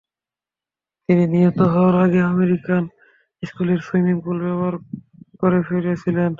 তিনি নিহত হওয়ার আগে আমেরিকান স্কুলের সুইমিং পুল ব্যবহার করে ফিরছিলেন।